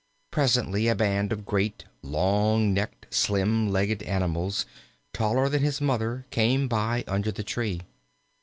Presently a band of great, long necked, slim legged animals, taller than his Mother, came by under the tree.